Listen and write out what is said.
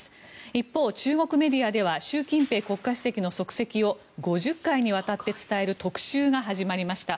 一方、中国メディアでは習近平国家主席の足跡を５０回にわたって伝える特集が始まりました。